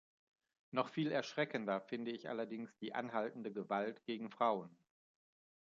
Noch viel erschreckender finde ich allerdings die anhaltende Gewalt gegen Frauen.